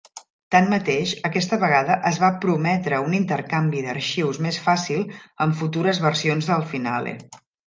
Tanmateix, aquesta vegada es va prometre un intercanvi d'arxius més fàcil amb futures versions del Finale.